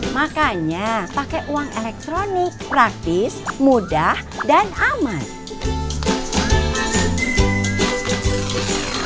jangan lupa subscribe like komen dan share